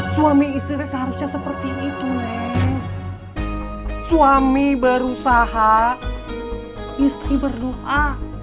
suami istri seharusnya seperti itu suami berusaha istri berdoa